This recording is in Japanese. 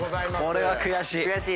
これは悔しい！